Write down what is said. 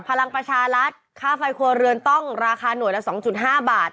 พลังประชารัฐค่าไฟครัวเรือนต้องราคาหน่วยละ๒๕บาท